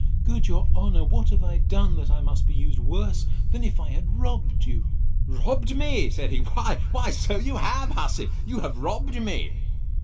Good your honour, what have I done, that I must be used worse than if I had robbed you? Robbed me! said he, why so you have, hussy; you have robbed me.